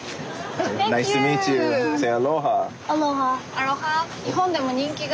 アロハ！